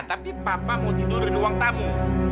tapi papa mau tidur di ruang tamu